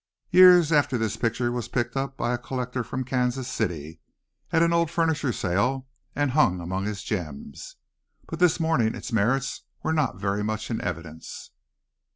Years after this picture was picked up by a collector from Kansas City at an old furniture sale and hung among his gems, but this morning its merits were not very much in evidence.